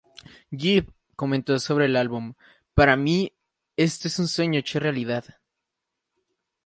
Gibb comentó sobre el álbum: "Para mí esto es un sueño hecho realidad.